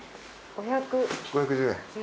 ５１０円。